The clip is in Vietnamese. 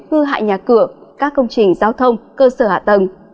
hư hại nhà cửa các công trình giao thông cơ sở hạ tầng